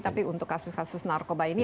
tapi untuk kasus kasus narkoba ini